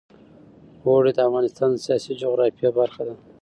اوړي د افغانستان د سیاسي جغرافیه برخه ده.